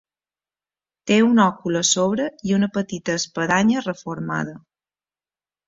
Té un òcul a sobre i una petita espadanya reformada.